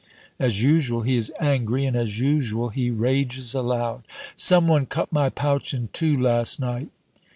As usual, he is angry, and as usual, he rages aloud. "Some one cut my pouch in two last night!"